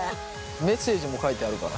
メッセージも書いてあるから。